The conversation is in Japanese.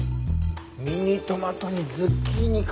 ミニトマトにズッキーニか。